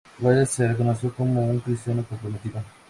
Wallace se reconoce como un cristiano comprometido.